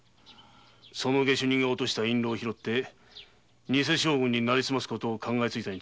その下手人が落とした印ろう拾って偽将軍になりすます事を考えついたのだ。